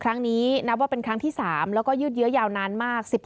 นับว่าเป็นครั้งที่๓แล้วก็ยืดเยอะยาวนานมาก